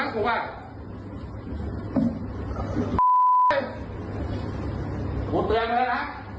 กูเตือนเลยนะ